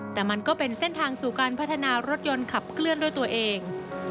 แต่มันก็เป็นเส้นทางสู่การพัฒนารถยนต์ขับเคลื่อนด้วยตัวเอง